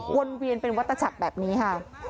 วนเวียนเป็นวัตฉักแบบนี้ค่ะ